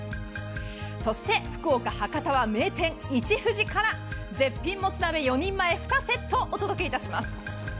そして福岡・博多は名店いちふじから絶品もつ鍋４人前２セットをお届けします。